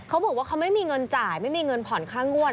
เขาบอกว่าเขาไม่มีเงินจ่ายไม่มีเงินผ่อนค่างวด